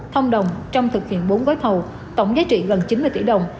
tổng giá trị gần chín mươi tỷ đồng